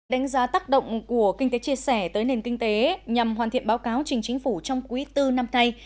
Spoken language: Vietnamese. đánh giá tác động của kinh tế chia sẻ tới nền kinh tế nhằm hoàn thiện báo cáo trình chính phủ trong quý bốn năm nay